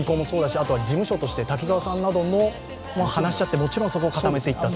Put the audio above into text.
あとは事務所として、滝沢さんたちとも話し合ってもちろんそこを固めていったと。